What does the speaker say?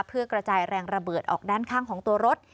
เพื่อกระจายแรงระเบิดออกด้านข้างของตัวรถ